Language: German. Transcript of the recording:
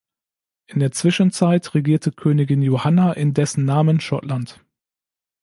In der Zwischenzeit regierte Königin Johanna in dessen Namen Schottland.